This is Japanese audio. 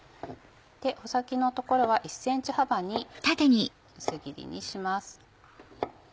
穂先のところは１ｃｍ幅に薄切りにします。